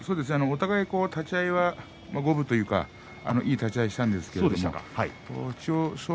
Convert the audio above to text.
お互い立ち合いは五分というかいい立ち合いはしたんですが千代翔